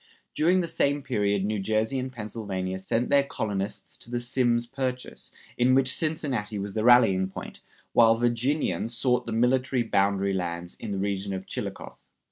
During the same period New Jersey and Pennsylvania sent their colonists to the Symmes Purchase, in which Cincinnati was the rallying point, while Virginians sought the Military Bounty Lands in the region of Chillicothe.